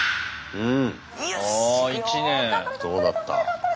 うん。